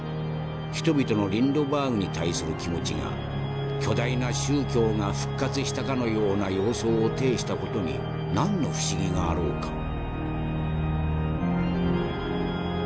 人々のリンドバーグに対する気持ちが巨大な宗教が復活したかのような様相を呈した事に何の不思議があろうか」。